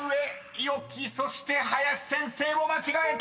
五百城そして林先生も間違えた！］